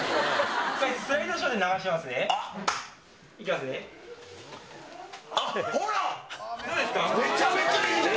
一回、スライドショーで流しますね。